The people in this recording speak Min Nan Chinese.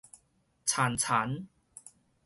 殘殘